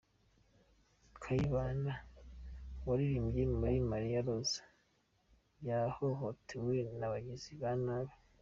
Kayibanda waririmbye muri “Mariya Roza” yahohotewe n’ abagizi ba nabi .